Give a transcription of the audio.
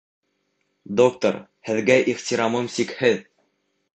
Доктор, һеҙгә ихтирамым сикһеҙ!